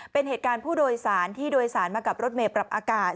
เป็นเหตุการณ์ผู้โดยสารที่โดยสารมากับรถเมย์ปรับอากาศ